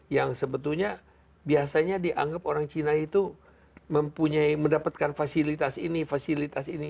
yang sebetulnya biasanya dianggap orang cina itu mempunyai mendapatkan fasilitas ini fasilitas ini